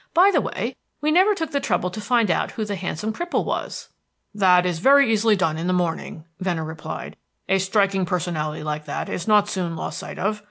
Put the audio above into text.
By the way, we never took the trouble to find out who the handsome cripple was." "That is very easily done in the morning," Venner replied. "A striking personality like that is not soon lost sight of.